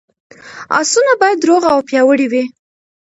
اسونه باید روغ او پیاوړي وي.